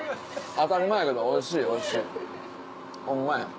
当たり前やけどおいしいおいしいホンマや。